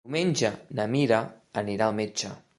Diumenge na Mira anirà al metge.